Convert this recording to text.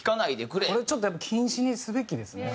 これちょっとやっぱ禁止にすべきですね。